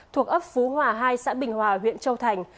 thuộc ấp phú hòa hai xã bình hòa huyện châu thành